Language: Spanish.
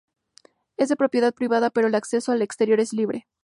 Es de propiedad privada, pero el acceso al exterior es libre.